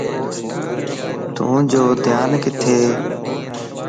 توجو ڌيان ڪٿي؟